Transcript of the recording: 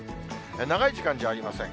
長い時間じゃありません。